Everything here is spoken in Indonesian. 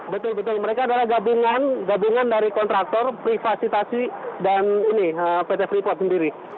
betul betul mereka adalah gabungan dari kontraktor privasitasi dan ini pt freeport sendiri